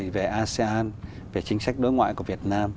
về asean về chính sách đối ngoại của việt nam